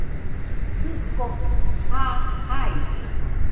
Jiko aa jaide